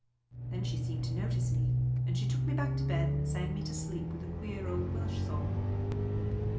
Then she seemed to notice me, and she took me back to bed and sang me to sleep with a queer old Welsh song.